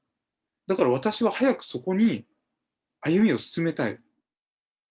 だから私は早くそこに歩みを進めたい。